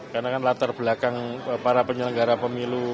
karena kan latar belakang para penyelenggara pemilu